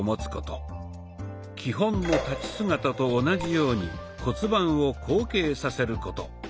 基本の立ち姿と同じように骨盤を後傾させること。